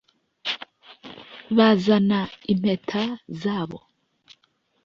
bazanaga impeta zabo,